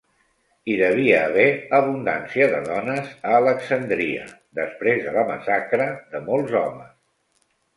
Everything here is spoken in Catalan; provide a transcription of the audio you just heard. Hi devia haver abundància de dones a Alexandria després de la massacre de molts homes.